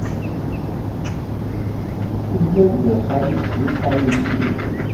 Temlal-d xali-s deg tḥanut-nni.